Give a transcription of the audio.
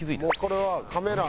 これはカメラ。